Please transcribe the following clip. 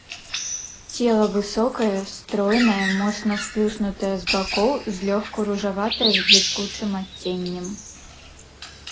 Цела высокае, стройнае, моцна сплюснутае з бакоў, злёгку ружаватае з бліскучым адценнем.